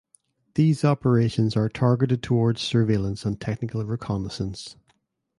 These operations are targeted towards surveillance and technical reconnaissance.